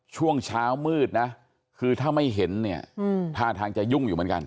ช่วงเช้ามืดนะคือถ้าไม่เห็นเนี่ยท่าทางจะยุ่งอยู่เหมือนกัน